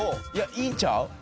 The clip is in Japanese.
いいんちゃう？